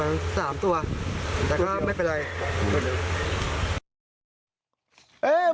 แต่ก็ไม่เป็นไร